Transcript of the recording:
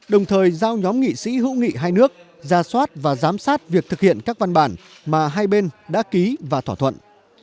đồng thời giao nhóm nghị sĩ hữu nghị hai nước ra soát và giám sát việc thực hiện các văn bản mà hai bên đã ký và thỏa thuận